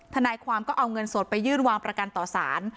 ทนายความก็เอาเงินสดไปยื่นวางประกันต่อสาร